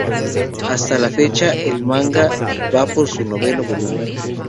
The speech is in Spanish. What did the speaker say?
Hasta la fecha el manga va por su noveno volumen.